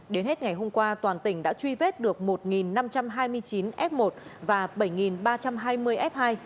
đến hết ngày hôm qua toàn tỉnh đã truy vết được một năm trăm hai mươi chín f một và bảy ba trăm hai mươi f hai